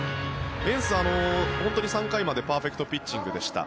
エンス、本当に３回までパーフェクトピッチングでした。